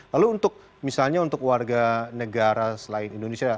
lalu untuk misalnya untuk warga negara selain indonesia